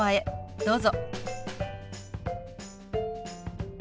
どうぞ。